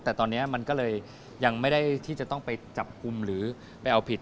แต่ตอนนี้มันก็เลยยังไม่ได้ที่จะต้องไปจับกลุ่มหรือไปเอาผิด